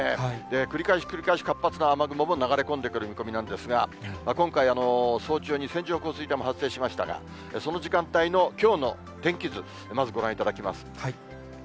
繰り返し繰り返し活発な雨雲もながれこんでくるみこみなんですが今回、早朝に線状降水帯も発生しましたが、その時間帯のきょうの天気図、まずご覧いただきます。